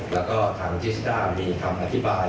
แล้วก็ทางจิสด้ามีคำอธิบาย